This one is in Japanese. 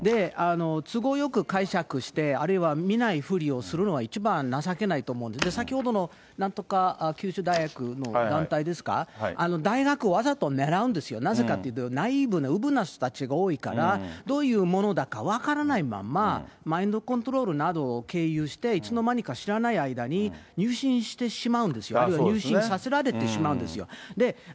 都合よく解釈して、あるいは見ないふりをするのは一番情けないと思う、先ほどもなんとか九州大学の団体ですか、大学をわざと狙うんですよ、なぜかというと、ナイーブな、うぶな人たちが多いから、どういうものだか分からないまんま、マインドコントロールなどを経由して、いつの間にか知らない間に入信してしまうんですよ、あるいは入信させられてしまうんですよ。